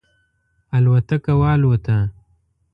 الوتکه والوته.